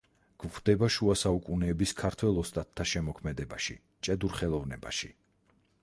გვხვდება შუა საუკუნეების ქართველ ოსტატთა შემოქმედებაში, ჭედურ ხელოვნებაში.